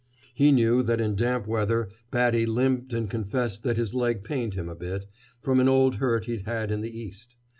He knew that in damp weather Batty limped and confessed that his leg pained him a bit, from an old hurt he'd had in the East.